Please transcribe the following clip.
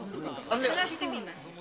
探してみます。